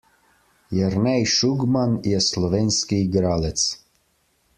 Jernej Šugman je slovenski igralec.